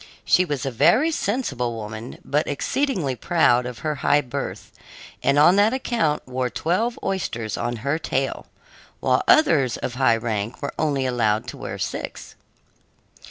She was a very sensible woman, but exceedingly proud of her high birth, and on that account wore twelve oysters on her tail, while others of high rank were only allowed to wear six.